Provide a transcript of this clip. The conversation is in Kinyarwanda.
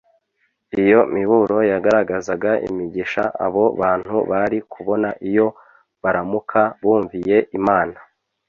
Iyo miburo yagaragazaga imigisha abo bantu bari kubona iyo baramuka bumviye Imana